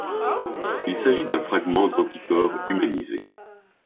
Il s'agit d'un fragment d’anticorps humanisé.